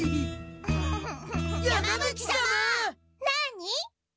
なに？